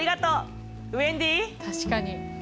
確かに。